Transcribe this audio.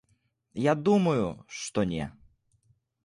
Я думаю, што не.